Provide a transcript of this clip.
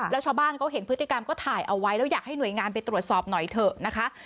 แล้วชาวบ้านเขาเห็นพฤติกรรมก็ถ่ายเอาไว้แล้วอยากให้หน่วยงานไปตรวจสอบหน่อยเถอะนะคะ